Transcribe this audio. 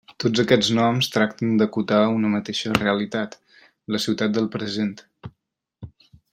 Tots aquests noms tracten d'acotar una mateixa realitat: la ciutat del present.